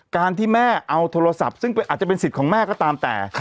การที่แม่เอาโทรศัพท์ซึ่งอาจจะเป็นสิทธิ์ของแม่ก็ตามแต่